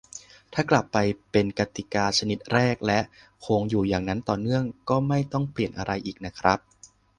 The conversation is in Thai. ถ้ากลับไปเป็นกติกาชนิดแรก และคงอยู่อย่างนั้นต่อเนื่อง ก็ไม่ต้องเปลี่ยนอะไรอีกนะครับ